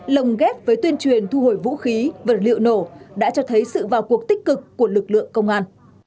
lồng ghép với tuyên truyền thu hồi vũ khí vật liệu nổ đã cho thấy sự vào cuộc tích cực của lực lượng công an